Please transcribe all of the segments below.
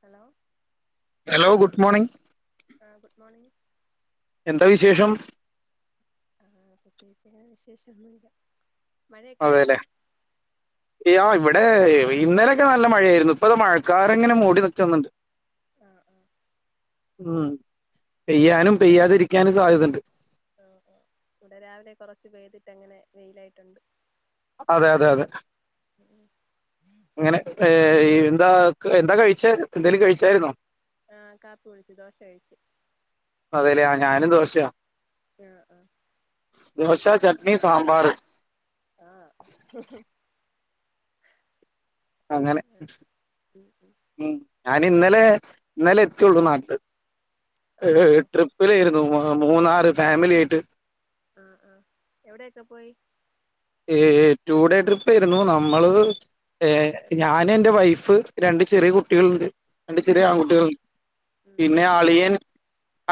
Hello hello good morning ആഹ് good morning എന്താ വിശേഷം ആഹ് [unintelligible] വിശേഷൊന്നുമല്ല അതെല്ലേ ഇയ ഇവടി ഇടെ ഇന്നലെയൊക്കെ നല്ല മഴയായിരുന്നു ഇപ്പ അത് മഴക്കാരങ്ങനെ മൂടി നിക്ക വന്നിണ്ട് ആഹ് ഉം ഉം പെയ്യാനും പെയ്യാതിരിക്കാനും സാധ്യതണ്ട് ആ ആ ഇവിടെ രാവിലെ കൊറച്ച് പെയ്തിട്ടങ്ങനെ വെയിലായിട്ടുണ്ട് അതെ അതെ അതെ ഉം. അങ്ങനെ എന്താ എന്താ കഴിച്ചെ എന്തേലും കഴിച്ചായിരുന്നോ ആ കാപ്പി കുടിച്ചു ദോശ കഴിച്ചു അതെല്ലേ ഞാനും ദോശയാ ആഹ് ആഹ് ദോശ, ചട്നി, സാമ്പാർ ആഹ് [unintelligible] അങ്ങനെ ആഹ് ഉം ഞാൻ ഇന്നലെ ഇന്നലെ എത്തിയുള്ളു നാട്ടില് ഓ ഏഹ് ഓ ട്രിപ്പിലായിരുന്നു മൂന്നാറ് ഫാമിലി ആയിട്ട് ആഹ് ആഹ് എവിടെക്കെ പോയി ഏ ടു ഡേ ട്രിപ്പ്ആയിരുന്നു നമ്മള് ഏഹ് ഞാന് എന്റെ വൈഫ് രണ്ട് ചെറിയ കുട്ടികളുണ്ട് രണ്ട് ചെറിയ ആഹ് ആൺകുട്ടികൾ. ഉം ഉം പിന്നെ ആളിയൻ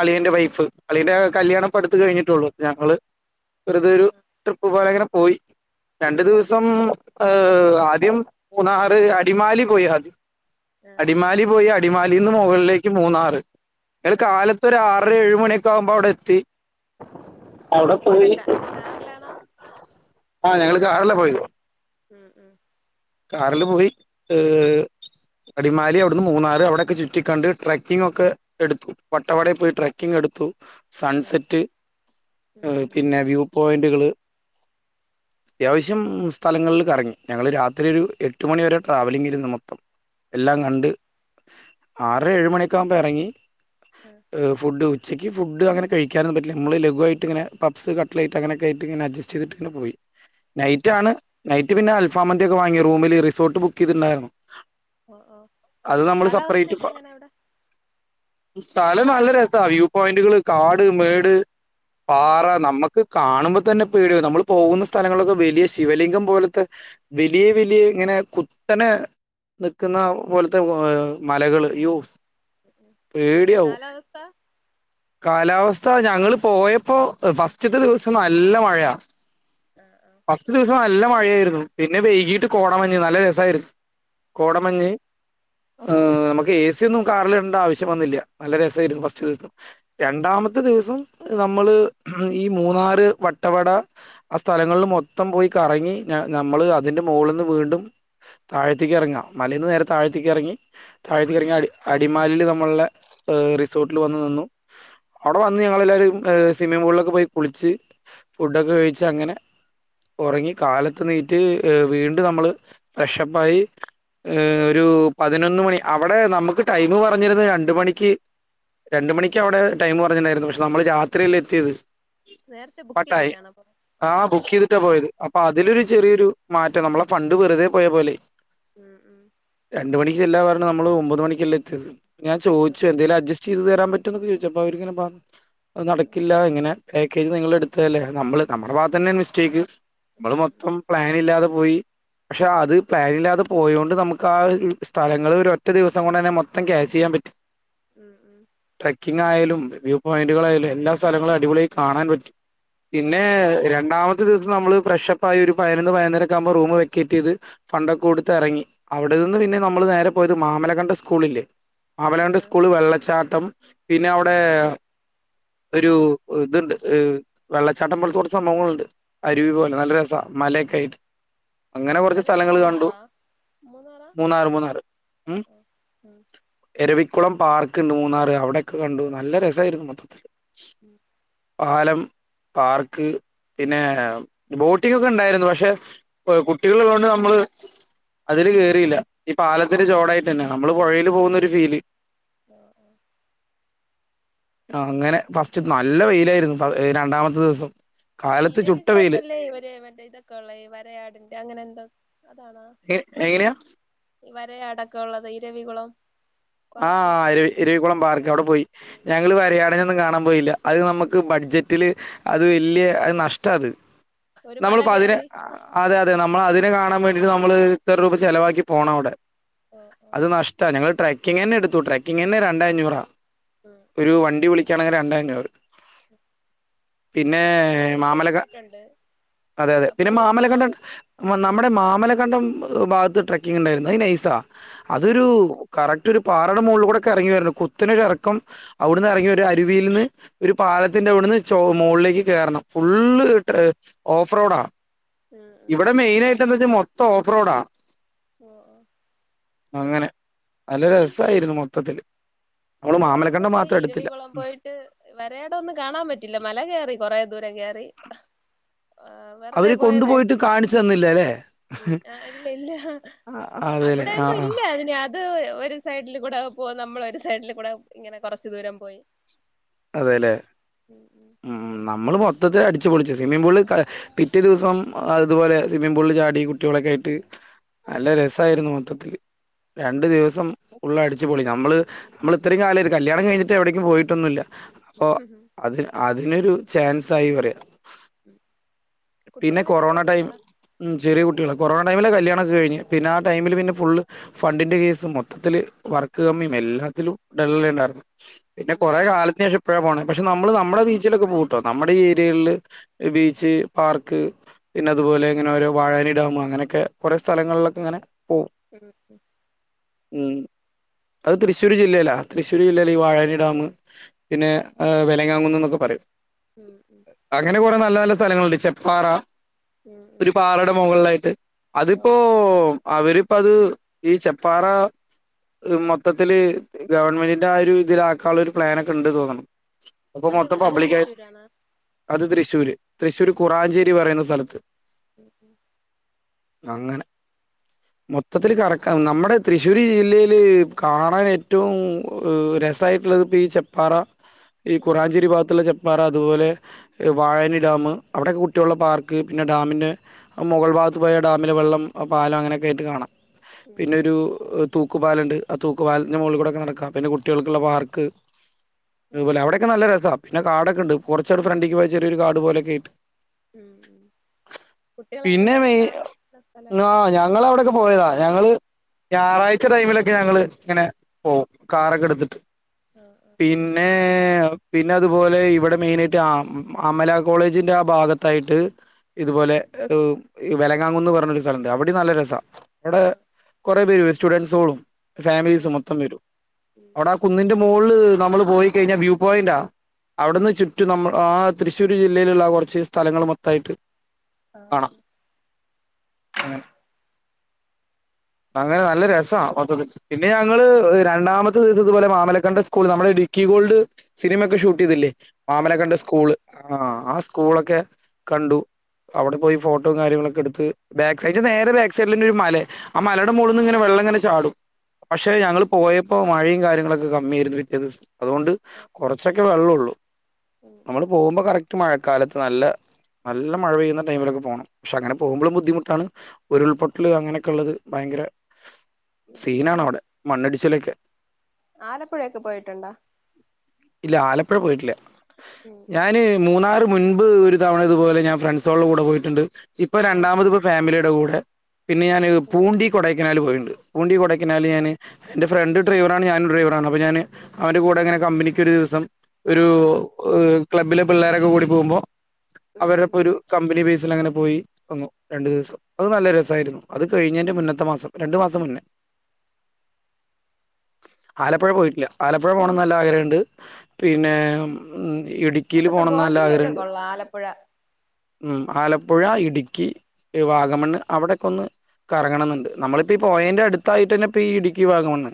അളിയന്റെ വൈഫ് അളിയന്റെ കല്യാണം പ്പ് അടുത്ത കഴിഞ്ഞിട്ടുള്ളൂ ഞങ്ങള് വെറുതരു ആഹ് ട്രിപ്പ് പോലെ ഇങ്ങനെ പോയി രണ്ടു ഉം ഉം ദിവസം ഹ് ആദ്യം മൂന്നാറ് അടിമാലി പോയി ആദ്യം ആഹ് അടിമാലി പോയി അടിമാലിന്ന് മുകളിലേക്ക് മൂന്നാറ് ആഹ് കാലത്ത് ഒരാറ് ഏഴുമണിക്ക ആകുമ്പോ അവിടെ എത്തി അവിടെ എങ്ങനെ പോയി കാ കാറിലാണോ ആഹ് ഞങ്ങള് കാറില പോയത് ഉം ഉം കാറില് പോയി ഏ അടിമാലി അവിടുന്ന് മൂന്നാറ് അവിടെക്കെ ചുറ്റിക്കണ്ട് ട്രക്കിങ് ഒക്കെ എടുത്തു വട്ടവടയിൽ പോയി ട്രക്കിംഗ് എടുത്തു ആഹ് സൺസെറ്റ് ഉം ഉം പിന്നെ വ്യൂ പോയിൻ ക്ള് അത്യാവശ്യം സ്ഥലങ്ങളിൽ കറങ്ങി ഞങ്ങള് രാത്രി ത്രി ഒരു എട്ട് മണി വരെ ട്രാവലിംഗിരുന്നു മൊത്തം എല്ലാം ഓ കണ്ട് ഓ ആറ് ഏഴുമ മണിക്ക ആകുമ്പോൾ ഇറങ്ങി ആഹ് ഫുഡ് ഉച്ചക്ക് ഫുഡ് അങ്ങനെ കഴിക്കാനും പറ്റില്ലമ്മൾ ലഘുവായിട്ട് ഇങ്ങന പപ്സ് കട്ലയിട്ട അങ്ങനൊക്ക ആയി് ഇങ്ങനെ അഡ്ജസ്റ്റ് ചെയ്തിട്ട്ങ്ങനെ പോയി ഉം നൈറ്റ് ഉം ആണ് നൈറ്റ് പിന്നെ അൽഫാമന്തിയ ഒക്കെ വാങ്ങിയ റൂമിൽ റിസോർട്ട് ബുക്ക് ചെയ്തിട്ടുണ്ടായിരുന്നു ഓ ഓ അത് നമ്മള് സെപ്പറേറ്റ് കാലാവസ്ഥയക്കെ എങ്ങനാ അവിടെ? സ്ഥലം നല്ല രസാ വ്യൂ പോയിന്റുകള് കാട് മേട് ഉം പാറ ഉം നമ്മുക്ക് കാണുമ്പം തന്നെ പേടിയാവും നമ്മൾ പോകുന്ന സ്ഥലങ്ങളിലൊക്കെ വലിയ ശിവലിംഗം പോലത്തെ വലിയ വലിയ ഇങ്ങനെ കു തന്നെ നിക്ക്ന്ന പോലത്തെ വ് മലകള് യ്യോ കാലാവസ്ഥ? കാലാവസ്ഥ ഞങ്ങള്ൾ പോയപ്പോ ഫസ്റ്റത്തെ ദിവസം നല്ല മഴയാ ആഹ് ഫസ്റ്റ് ദിവസം നല്ല മഴയായിരുന്നു പിന്നെ വൈകിട്ട് കോടമഞ്ഞു നല്ല രസിയിരുന്നു ആഹ് ആഹ് കോടമഞ്ഞി ഏ നമുക്ക് എ സിയൊന്നും കാറിൽ ഇടേണ്ട ആവശ്യം വന്നില്ല നല്ല രസമായിരുന്നു ഫസ്റ്റ് ദിവസം രണ്ടാമത്തെ ദിവസം നമ്മള് ഈ മൂന്നാറ് വട്ടവട ആ സ്ഥലങ്ങളിൽ മൊത്തം പോയി കറങ്ങി ഞാ ഞാ നമ്മള് അതിന്റെ മോള്ന്ന് വീണ്ടും താഴത്തേക്ക് എറങ്ങാ മലയിൽന്ന് നേരെ താഴത്തേക്കെറങ്ങി താഴത്തേക്കെറങ്ങി അടി അടിമാലിൽ നമ്മളുള്ള റിസോട്ടിൽ വന്നു നിന്നു അവിടെ വന്ന് ഞങ്ങളെല്ലാരും സിമ്മിം പൂളിലൊക്കെ പോയി കുളിച്ച് ഫുഡൊക്കെ കഴിച്ച് അങ്ങനെ ഒറങ്ങി കാലത്ത് നീ റ്റ് വീണ്ടും നമ്മള് ഫ്രഷപ്പായി ഒരു പതിനൊന്ന് മണി അവടെ നമ്മക്ക് ടൈമ് പറഞ്ഞിരുന്നത് രണ്ട് മണിക്ക് രണ്ട് മണിക്ക് അവടെ ടൈമ് പറഞ്ണ്ടായിരുന്നു പക്ഷെ നമ്മൾ രാത്രിയല്ലേ എത്തിയത് നേരത്തെ ബുക്ക് പട്ടായി ചെയ്തിട്ടാണോ പോണെ ആ ബുക്ക് ചെയ്തിട്ടാ പോയത് അപ്പൊ ആഹ് അതിലൊര് മാറ്റം നമ്മളെ ഫണ്ട് വെറുതെ പോയ പോലെ ഉം ഉം എല്ലാവര്ണ് നമ്മള് ഒമ്പത് മണിക്കെല്ലേ എത്തിയത് ഞാൻ ചോയ്ച്ചു ടിക്കറ്റോ എന്തേലും അഡ്ജസ്റ്റ് ചെയ്ത് തരാൻ പറ്റ് ട്ടൊന്ന് ചോയ്ച്ചപ്പം അവര്ങ്ങനെ പർ ഉം നടക്കില്ല ഇങ്ങനെ [unintelligible] ക്ക് ങ്ങനെ നിങ്ങള് എട്ത്തല്ലേ നമ്മള് നമ്മടെ ഭാഗത്ത് തന്നെയാ മിസ്റ്റേക്ക് നമ്മള് ഉം മൊത്തം ഇല്ലാതെ പോയി ക്ഷെ അത് പ്ലാനില്ലാതെ പോയോണ്ട് നമുക്ക് ആ സ്ഥലങ്ങള് ഒരോറ്റ ദിവസം കൊണ്ട് തന്നെ മൊത്തം ക്യാച്ച് ചെയ്യാൻ പ ഉം ഉം ങ്ങനെ ആയാലും വ്യൂ പോയിന്റുകളായാലും എല്ലാ സ്ഥലങ്ങളും അടിപൊളി ആഴി കാണാൻ പറ്റും ആഹ് പിന്നെ രണ്ടാമത്തെ ദിവസം നമ്മള് ഫ്രഷപ്പായിട്ടും പതിനൊന്ന് പയ്നോന്നരൊക്ക ആകുമ്പോ റൂമ് വെക്കേറ്റ്യ്ത് ഫണ്ടൊക്കെ കൊടുത്ത് എറങ്ങി അവിടെ നിന്ന് പിന്നെ നമ്മള് നേരെ പോയത് മാ ആമലകണ്ട് സ്കൂള്ല്ലേ ആഹ് ആമലകണ്ട് ആഹ് സ്കൂള് വെള്ളച്ചാട്ടം പിന്നെ അവിടെ ഒരു ഇത്ണ്ട് വെള്ളച്ചാട്ടം പോലെത്തെ സംഭവങ്ങള്ണ്ട് അരുവി ആഹ് പോലെ നല്ല രസാ മലയൊക്കെ ആയിട്ട് അങ്ങനെ കോർച്ച് അതെവിടെ സ്ഥലങ്ങള് കണ്ടു. മൂന്നാറാ മൂന്നാറാ മൂന്നാറ് മൂന്നാറ് ആ ഉം ആ ഉം എരവി ക്കുളം പാർക്ക്ണ്ട് മൂന്നാറ് അവിടെക്കെ കണ്ടു ആ നല്ല രസായിരുന്നു മൊത്തത്തില് ഉം പാലം പാർക്ക് പിന്നെ ബോ ട്ടി ഒക്കെ ഉണ്ടായിരുന്നു പക്ഷെ കുട്ടികൾ ഉള്ളത് കൊണ്ട് നമ്മള് അതില് കേറിയില്ല ഈ പാലത്തിന്റെ ചോടായിട്ട് തന്നെ നമ്മള് പോഴില് പോകുന്നൊരു ഫീല് ആഹ് ആഹ് അങ്ങനെ ഫസ്റ്റ് നല്ല വെയിലായിരുന്നു രണ്ടാമത്തെ ദിവസം ഈ കാലത്ത് ചുട്ട വെയില്. ഇരവികുളത്തല്ലേ ഇവര് മറ്റേ ഇതൊക്കെ ഉള്ളെ ഈ വരയാടിന്റെ അങ്ങനെ എന്തോ എ എങ്ങനെയാ വരയാട് ഒക്കെ ഉള്ളത് ഇരവികുളം ആഹ് ഇരവി ഇരവികുളം പാർക്ക് അവിടെ പോയി ഞങ്ങള് വരിയാടിനൊന്നും കാണാൻ പോയില്ല അത് നമക്ക് ബഡ്ജറ്റില് അത് വല്ല്യ നഷ്ടാ അത് ഒരു മല നമ്മളിപ്പോ അതിരെ കേറി അതെ അതെ നമ്മള് അതിനെ ആ കാണാൻ വേണ്ടിട്ട് നമ്മള് എത്ര രൂപ ചെലവാക്കി പോണം അവിടെ ആ ആ അത് നഷ്ടമാണ് ഞങ്ങൾ ട്ര ക്കിങ്ങ് തന്നെ എടുത്തോ ട്ട്രക്കിങ് തന്നെ രണ്ടെ അഞ്ഞൂറാ ഉം ഒരു ഉം വണ്ടി വിളിക്കയാണെങ്കിൽ രണ്ടേ അഞ്ഞൂറ് പിന്നെ ഞങ്ങളൊരിക്കെ മാമലക പോയിട്ടുണ്ട് അതെ അതെ അപ്പൊ പിന്നെ ഈ മാമലകണ്ണ്ടം ആഹ് ഉം നമ്മുടെ മാമലകണ്ണ്ടം ഭാഗത്ത് ട്രക്കിങ് ഉണ്ടായിരുന്നു അ നൈസ അതൊരു ആഹ് ആഹ് കറക്ട് റ്റൊ പാറയുടെ മുകളില കൂടെ ഒക്കെ ഇറങ്ങി വരുന്നു കുത്തന്നെ ഇറക്കം അവിടുന്ന് ഇറങ്ങി ഒരു അരുവിയിൽ നിന്ന് ഒരു പാലത്തി പിന്നെ അവിടുന്ന് ചെ മുകളിലേക്ക് കയറണം ഫുള് ഓഫ്റോഡാ ഉം ഉം ഇവിടെ മെയിന ആയിട്ട് എന്താ വച്ചാ മൊ മൊത്തം ഓഫ് റോഡാ ഓഹ് ഓഹ് അങ്ങനെ നല്ല രസായിരുന്നു മൊത്തത്തില് നമ്മള് ഞങ്ങള് മുമ്പ് മാമലക്കണ്ടം പോയി മാത്രം എടുത്തില്ല ഇരവികുളം പോയിട്ട് വരയാട് ഒന്നും കാണാൻ പറ്റില്ല മല കയറി കുറേ ദൂരം കയറി വെറുതെ അവര് പോയതായിട്ട് കൊണ്ടുപോയിട്ട് കാണിച്ചു തന്നില്ലല്ലേ ഉം ആ ഇല്ല ഇല്ല അവിടെയൊന്നും ഇല്ല. അതിന് അത് ഒരു സൈഡിൽ കൂടെ പോ നമ്മൾ ഒരു സൈഡില് കൂടെ ഇങ്ങനെ കൊറച്ച് ദൂരം പോയി അതെല്ലേ അങ്ങനെ ഉം നമ്മള് മൊത്തത്തി അടിച്ച് പൊളിച്ചു. സ്വിമ്മിംഗ് പൂളിൽ ക പിറ്റേ ദിവസം അതുപോലെ സ്വിമ്മിംഗ് പൂളിൽ ചാടി കുട്ടിയോളൊക്കെ ആയിട്ട് ആ നല്ല ആ രസമായിരുന്നു മൊത്തത്തില്. രണ്ടു ഉം ദിവസം ഉള്ള അടിച്ചുപൊളി നമ്മള് നമ്മള് ഇത്രയും കാലം ആയി ഒരു കല്യാണം കഴിഞ്ഞിട്ട് എവിടേയ്ക്കും പോയിട്ടൊന്നുമില്ല. അപ്പൊ ഉം അത് അതിനൊരു ചാൻസ് ആയി പറിയ ഉം പിന്നെ കുട്ടികള് ചെറിയ കൊറോണ ടൈം കുട്ടികളാ ഉം ചെറിയ കുട്ടികള്, കൊറോണ ടൈമില് കല്യാണം ഒക്കെ കഴിഞ്ഞു. പിന്നെ ആ ടൈമില് പിന്നെ ഫുള്ള് ഫണ്ടിൻ്റെ കേസും. മൊത്തത്തിൽ വർക്ക് കമ്മിയും എല്ലാത്തിലും [unintelligible] ഉണ്ടായിരുന്നു. പിന്നെ ഉം കൊറെ കാലത്തിന് ശേഷം ഇപ്പഴാ പോണേ പക്ഷെ നമ്മള് നമ്മുടെ ബീച്ചിലൊക്കെ പോവൂട്ടോ നമ്മുടെ ഏരിയകളില് ഉം ബീച്ച് പാർക്ക് പിന്നെ അതുപോലെ ഇങ്ങനെ ഒരു വാഴാനി ഡാം അങ്ങനെയൊക്കെ കൊറേ സ്ഥലങ്ങളിലൊക്കെ അങ്ങനെ പോകും [unintelligible] ഉം അത് തൃശൂര് ജില്ലയിലാ തൃശൂര് ജില്ലയിലാ ഈ വാഴാനി ഡാം പിന്നെ വെലങ്ങാൻ കുന്ന് എന്നൊക്കെ പറയും. ഉം ഉം അങ്ങനെ കൊറെ നല്ല നല്ല സ്ഥലങ്ങളുണ്ട് ചെപ്പാറ ഉം ഒരു ഉം പാറയുടെ മുകളിലായിട്ട്, ഓ അതിപ്പോ അവര് ഇപ്പ അത് ഈ ചെപ്പാറ ഇത് മൊത്തത്തില് ഗവണ്മെന്റിന്റെ ആ ഒരു ഇതില് ആക്കാനുള്ള ഒരു പ്ലാനൊക്കെ ഇണ്ട് എന്ന് തോന്ന്ണ് അപ്പൊ മൊത്തം അതെവിടെ അത് പബ്ലിക്കായി തൃശ്ശൂരാണോ അത് തൃശൂര് തൃശൂര് ഉം കുറാഞ്ചേരി പറയുന്ന സ്ഥലത്ത് ഉം ഉം അങ്ങനെ മൊത്തത്തില് കറക്കന്ന് നമ്മുടെ തൃശ്ശൂർ ജില്ലയില് കാണാൻ ഏറ്റവും രസായിട്ടുള്ളത് ഇപ്പ ഈ ചെപ്പാറ ഈ ഉം കുറാഞ്ചേരി ഭാഗത്തുള്ള ചെപ്പാറ അതുപോലെ വാഴാനി ഡാംമ് അവിടെക്കെ കുട്ടികളെ പാർക്ക് പിന്നെ ഡാമിൻ്റെ മുകൾ ഭാഗത്ത് പോയാൽ ഡാമില് വെള്ളം, പാലം അങ്ങനെയൊക്കെ ആയിട്ട് കാണാം. ഉം പിന്നൊരു തു തൂക്കുപാലൊണ്ട് ആ തൂക്കുപാലത്തിന്റെ മോളിൽ കൂടൊക്കെ നടക്കാം പിന്നെ കുട്ടികൾക്കുള്ള പാർക്ക് ഓ അതുപോലെ ഓ അവിടൊക്കെ നല്ല രസവാ പിന്നെ കാടൊക്കെ ഉണ്ട് കൊറച്ചൂടെ ഫ്രണ്ടിക്ക് പോയാ ചെറിയൊരു കാട് പോലൊക്കെ ആയിട്ട് ഉം കുട്ടികളെക്കേ പിന്നെ കൊണ്ട് പോയാ മെയ് കാണാൻ പറ്റിയ സ്ഥലാണോ ആ ഞങ്ങൾ അവിടെയൊക്കെ പോയതാ ഞങ്ങള് ഞായറാഴ്ച ടൈമിലൊക്കെ ഞങ്ങള് ഇങ്ങനെ പോകും കാറൊക്കെ എടുത്തിട്ട് ആ ആ പിന്നേ പിന്നെ അതുപോലെ ഇവിടെ മെയിൻ ആയിട്ട് അമ് അമല കോളേജിന്റെ ഭാഗത്തായിട്ട് ഇതുപോലെ വെലങ്ങാംകുന്ന് പറഞ്ഞൊരു സ്ഥലോണ്ട് അവിടെ നല്ല രസാ ഇടെ കൊറെ ബി വി സ്റ്റുഡന്റ്സോളും ഓ ഫാമിലീസ് മൊത്തം വരും. ഉം അവടെ ആ ഉം കുന്നിന്റെ മോൾല് നമ്മള് പോയി കഴിഞ്ഞാ വ്യൂ പോയിന്റാ. അവിടുന്ന് ചുറ്റും നമ്മ ആ തൃശ്ശൂർ ജില്ലയില്ള്ള കൊറ ച്ച് സ്ഥലങ്ങള് മൊത്തായിട്ട് ആ കാണാം ആ അങ്ങനെ അങ്ങനെ നല്ല രസാ മൊത്തത്തിൽ. പിന്നെ ഞങ്ങള് രണ്ടാമത്തെ ദിവസം ഇതുപോലെ മാമലക്കണ്ടം സ്കൂൾ നമ്മളെ ഇടുക്കി ഗോൾഡ് സിനിമയൊക്കെ ഷൂ ട്ടീതില്ലേ ആഹ് മാമലക്കണ്ടം ആഹ് സ്കൂള് ആ ആഹ് ആ സ് രെ കണ്ടു. അവടെ പോയി ഫോട്ടോം കാര്യങ്ങളൊക്കെ ഇട്ത്ത് ബാക്ക് സൈറ്റ് ഉം നേരെ ബാക്ക് സെ ലെന്നെ ഒര് മലേ ആ മലടെ ഉം മോള്ന്ന് ങ്ങനെ വെള്ളങ്ങനെ ചാടും. പക്ഷെ ഞങ്ങള് ആഹ് പോയപ്പോ മഴിം കാര്യങ്ങളൊ ക്കെ കമ്മിയേര്ന്നു പിറ്റേ ദിവസം. അതുകൊണ്ട്, കൊറച്ചൊക്കെ വെള്ളൊള്ളൂ. ഉം നമ്മള് ഉം പോവുമ്പോ കറക്റ്റ് മഴക്കാലത്ത് നല്ല, നല്ല മഴ പെയ്യുന്ന ടൈമിലൊക്കെ പോണം. പക്ഷെ അങ്ങനെ ഉം പോവുമ്പളും ബുദ്ധിമുട്ടാണ്. ഉരുൾപൊട്ടൽ അങ്ങനെക്കെള്ളത് ഭയങ്കര സീനാണ് അവടെ. മണ്ണിടിച്ചിലൊക്കെ ആലപ്പുഴക്കെ പോയിട്ടുണ്ടാ? ഇല്ല, ആലപ്പുഴ പോയിട്ടില്ല. ഉം ഉം ഞാന് മൂന്നാറ് മുൻപ് ഒരു തവണ ഇതുപോലെ ഞാൻ ഫ്രണ്ട്സളുടെ കൂടെ പോയിട്ടുണ്ട്. ഇപ്പൊ ആഹ് രണ്ടാമത് ഇപ്പോ ഫാമിലിയുടെ കൂടെ പിന്നെ ഞാന് പൂണ്ടി കൊടയ്ക്കനാല് പോയിട്ടുണ്ട്. പൂണ്ടി കൊടയ്ക്കനാല് ഞാന് എൻ്റെ ഫ്രണ്ട് ഡ്രൈവറാണ് ഞാനും ഡ്രൈവറാണ്, അപ്പോ ഞാന് അവന്റെ കൂടെങ്ങനെ കമ്പനിക്ക് ഒരു ദിവസം ഒരു ഏഹ് ക്ലബ്ബിലെ പിള്ളേരൊക്കെ കൂടി പോകുമ്പോ ഉം ഉം അവരെപ്പൊരു കമ്പനി ബേസിലങ്ങനെ പോയി വന്നു രണ്ടു ദിവസം അത് നല്ല രസമായിരുന്നു, അത് കഴിഞ്ഞേന്റെ മുന്നത്തെ മാസം രണ്ടു മാസം മുന്നേ [inaudible] ആലപ്പുഴ പോയിട്ടില്ല, ആലപ്പുഴ പോകണം ന്ന് നല്ല ആഗ്രഹണ്ട് പിന്നെ ഹ്മ്മ് ഇടുക്കിയില് അവിടത്തെ പോണം ന്ന് നല്ല ബോട്ടിംഗ് ആഗ്ര ഒക്കെ കൊള്ളാം ആലപ്പുഴ ഹ്മ്മ്, ആലപ്പുഴ, ഇടുക്കി, ഉം വാഗമണ്ണ് അവിടെ ഒന്ന് കറങ്ങണംന്ന്ണ്ട്, നമ്മളിപ്പോ ഈ പോയേന്റെ അടുത്തായിട്ടന്നെ ഇപ്പേ ഈ ഇടുക്കി ഭാഗമാണെന്നെ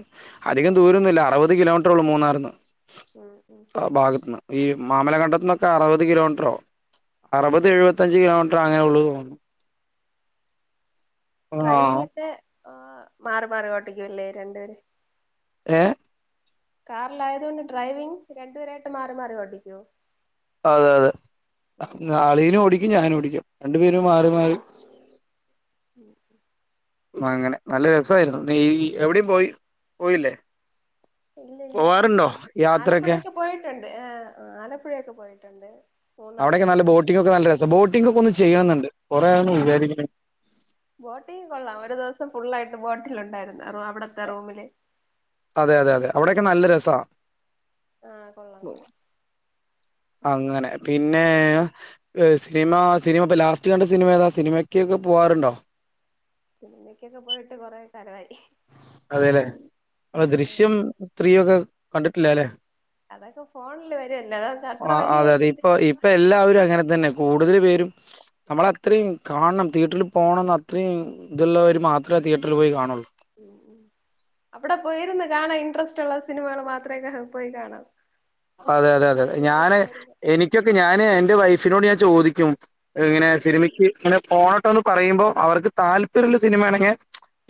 അധികം ദൂരൊന്നുല്ല, അറുപത് കിലോമീറ്ററൊള്ളൂ മൂന്നാറിന്ന് [inaudible] ഭാഗത്തുനിന്ന് ഈ മാമലകണ്ടതത്ത്ന്നൊക്കെ അറുപത് കിലോമീറ്ററോ, അറുപത് എഴുപത്തഞ്ച് കിലോമീ പ്പോ അങ്ങനെ ഒള്ളൂ തോന്നുന്നു. [inaudible] ഡ്രൈവിംഗ് ആഹ് ഒക്കെ ഏഹ് മാറി മാറി ഓട്ടിക്കുല്ലേ രണ്ടുപേര് ഏഹ് കാറിലായതുകൊണ്ട് ഡ്രൈവിങ് രണ്ടുപേരായിട്ട് മാറി മാറി ഓട്ടിക്കോ അതെ അതെ, ഉം അളിയനും ഓടിക്കും ഞാനും ഓടിക്കും രണ്ടു പേരും മാറി മാറി [inaudible] ഓ അങ്ങനെ, നല്ല രസമായിരുന്നു ഈ എവിടിം പോയി പോയില്ലേ ഇല്ല, ഇല്ല പോവാറുണ്ടോ യാത്രയൊക്കെ ആലപ്പുഴയൊക്കെ പോയിട്ടുണ്ട്, ഏഹ് ആലപ്പുഴയൊക്കെ പോയിട്ടുണ്ട്. മൂന്നാറ് അവിടെയൊക്കെ നല്ല പോയിട്ടുണ്ട് ബോട്ടിംഗ് ഒക്കെ നല്ല രസാ, ബോട്ടിംഗ് ഒക്കെ ഒന്ന് ആ ചെയ്യണന്നുണ്ട് കുറേ ആയത് വിചാരിക്ക്‌ണ് ബോട്ടിംഗ് കൊള്ളാം ഒരു ദിവസം ഫുള്ളായിട്ട് ബോട്ടിലുണ്ടായിരുന്നു അവിടത്തെ റൂമില് അതെ, അതെ, അതെ അവിടെയൊക്കെ നല്ല രസാ ആഹ് കൊള്ളാം കൊള്ളാം അങ്ങനെ, പിന്നെ ഏഹ് സിനിമ സിനിമ ഇപ്പം ലാസ്റ്റ് കണ്ട സിനിമ ഏതാ? സിനിമക്ക് പോവാറുണ്ടോ? സിനിമയ്ക്കൊക്കെ പോയിട്ട് കുറേ കാലമായിരിക്കും അതെ ല്ലെ, അപ്പോ ആഹ് ദൃശ്യം ത്രീ ഒക്കെ കണ്ടിട്ടില്ലല്ലെ അതൊക്കെ [inaudible] ഫോണില് വരുവല്ലോ അതൊക്കെ അത്ര ആഹ് വലിയ അതെ അതെ ഇപ്പൊ ഇതില്ല ഇപ്പൊ എല്ലാവരും അങ്ങനെ തന്നെ കൂടുതല് പേ [unintelligible] നമ്മളത്രിമ് കാണണം തീയേറ്ററിൽ പോകണംന്ന് അത്രിമ് ഇതുള്ളരു മാത്ര തീയേറ്ററിൽ പോയി കാണൊള്ളൂ അവിടെ പോയിരുന്ന് കാണാൻ ഇൻട്രസ്റ്റ്ള്ള സിനിമകൾ മാത്രേ പോയി കാണു അതെ അതെ അതെ ഞാന് എനിക്കൊക്കെ ഞാന് എന്റെ വൈഫിനോട് ഞാൻ ചോദിക്കും ഇങ്ങനെ സിനിമയ്ക്ക് ഇങ്ങനെ പോണട്ടോ എന്ന് പറയുമ്പോ അവർക്ക് താല്പര്യമുള്ള സിനിമയാണെങ്കിൽ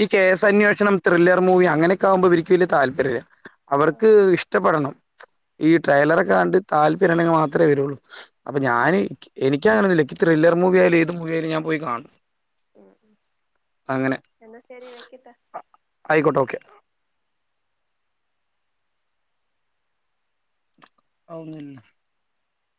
ഈ ഉം കേസ ഉം അന്വേഷണം ത്രില്ലർ മൂവി അങ്ങനെയൊക്കെ ആവുമ്പോ ഇവർക്ക് വല്യ താല്പര്യല്ല ആഹ് അവർക്ക് ഇഷ്ടപ്പെടണം ഈ ആഹ് ഉം ട്രെയിലറൊക്കെ ഉം കണ്ട് താല്പര്യണ്ടെങ്കിൽ മാത്രേ വരുള്ളൂ, അപ്പൊ ഉം ഞാന് എനിക്കങ്ങനൊന്നുല്ല ത്രില്ലർ മൂവിയായാലും ഏത് മൂവിയായാലും ഞാൻ പോയി കാണും. ഹ്മ്മ്, ഹ്മ്മ് അങ്ങനെ എന്നാ ശെരി വെക്കട്ടേ ആയിക്കോട്ടെ ഓക്കെ. അതൊന്നുല്ല